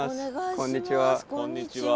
こんにちは。